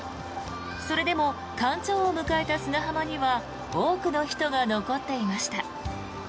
それでも干潮を迎えた砂浜には多くの人が残っていました。